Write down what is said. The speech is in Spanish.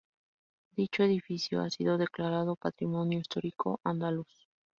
Dicho edificio ha sido declarado Patrimonio Histórico Andaluz.